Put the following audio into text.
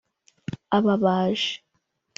ababaji